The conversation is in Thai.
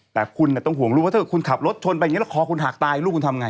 แต่คุณต้องห่วงลูกว่าถ้าคุณขับรถชนไปอย่างนี้แล้วคอคุณหากตายลูกคุณทำไง